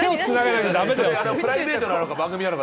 プライベートなのか番組なのか。